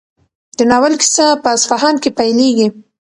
د ناول کیسه په اصفهان کې پیلېږي.